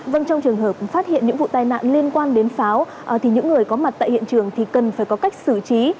vâng trong trường hợp phát hiện những vụ tai nạn liên quan đến pháo thì những người có mặt tại hiện trường thì cần phải có cách xử trí